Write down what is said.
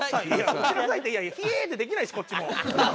「落ちなさい」って「ヒエー！」ってできないしこっちも。